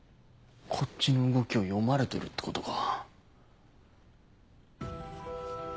こっちの動きを読まれてるってことか。